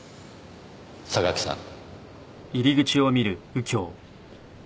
榊さん。